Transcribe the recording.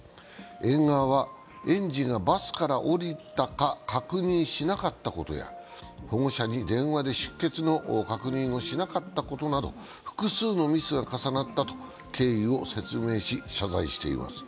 園側は、園児がバスから降りたか確認しなかったことや保護者に電話で出欠の確認をしなかったことなど複数のミスが重なったと経緯を説明し、謝罪しました。